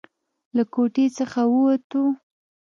له کوټې څخه ووتو.